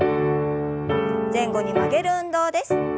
前後に曲げる運動です。